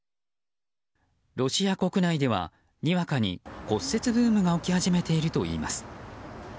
ロシア国内ではにわかに骨折ブームが起き始めているといいます。